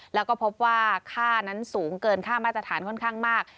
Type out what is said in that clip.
แล้วก็พบว่าค่านั้นสูงเกินค่ามาตรฐานค่อนข้างมาก